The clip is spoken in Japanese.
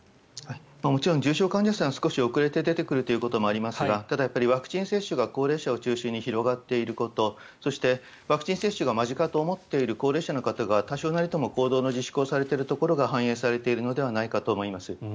もちろん重症患者数が少し遅れて出てくるということはありますがただ、ワクチン接種が高齢者を中心に広がっていることそして、ワクチン接種が間近と思っている高齢者の方が多少なりとも行動の自粛をされているところが反映されているのではないかと思います。